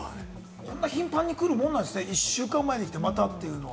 こんな頻繁に来るもんなんですね、１週間前も来て、またって。